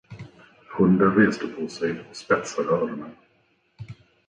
Hunden reste på sig och spetsade öronen.